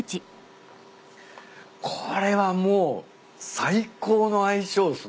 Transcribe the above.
これはもう最高の相性ですね。